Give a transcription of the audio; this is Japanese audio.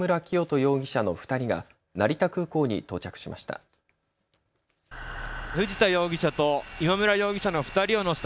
容疑者の２人が成田空港に到着しました。